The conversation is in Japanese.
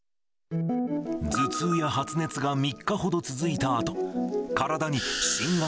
頭痛や発熱が３日ほど続いたあと、先月、